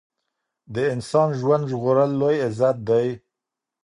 د انسان ژوند ژغورل لوی عزت دی.